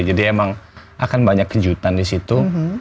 jadi emang akan banyak kejutan di situ